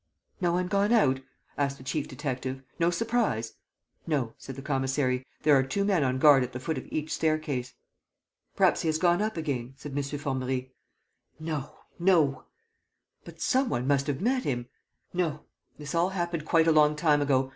"No one gone out?" asked the chief detective. "No surprise?" "No," said the commissary. "There are two men on guard at the foot of each staircase." "Perhaps he has gone up again?" said M. Formerie. "No! ... No! ..." "But some one must have met him. ..." "No. ... This all happened quite a long time ago.